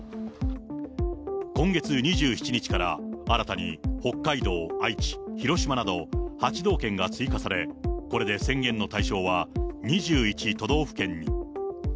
今月２７日から、新たに北海道、愛知、広島など、８道県が追加され、これで宣言の対象は２１都道府県に。